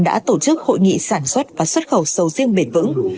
đã tổ chức hội nghị sản xuất và xuất khẩu sầu riêng bền vững